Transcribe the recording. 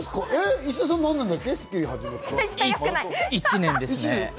石田さん、何年だっけ？